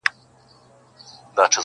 • خو ددې شعر په هکله مهمه یادونه دا ده -